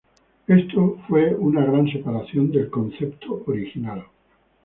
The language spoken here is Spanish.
Esto fue una gran separación del concepto original.